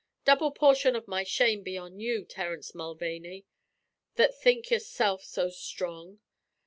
Double portion of my shame be on you, Terence Mulvaney, that think yourself so strong!